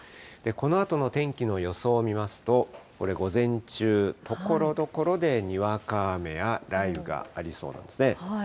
このあとの天気の予想を見ますと、これ、午前中、ところどころでにわか雨や雷雨がありそうなんです